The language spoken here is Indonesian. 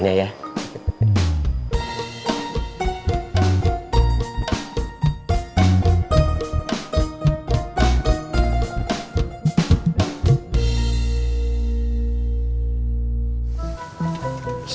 kamu mau ke dalam